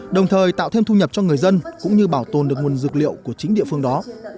đồng thời tạo thêm thu nhập cho người dân cũng như bảo tồn được nguồn dược liệu của chính địa phương đó